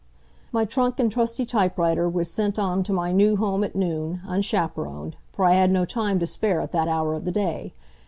My trunk and trusty typewriter were sent on to my new home at noon, unchaperoned, for I had no time to spare at that hour of the day.